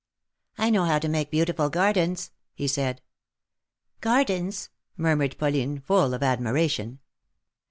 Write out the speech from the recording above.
" I know how to make beautiful gardens," he said. Gardens !" murmured Pauline, full of admiration.